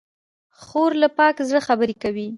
خور له پاک زړه خبرې کوي.